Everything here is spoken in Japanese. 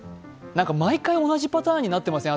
毎回同じパターンになってません？